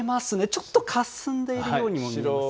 ちょっとかすんでいるようにも見えます。